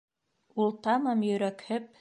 Ул, тамам йөрәкһеп: